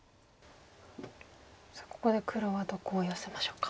さあここで黒はどこをヨセましょうか。